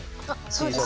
そうです。